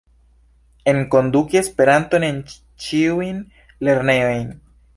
Enkonduki Esperanton en ĉiujn lernejojn.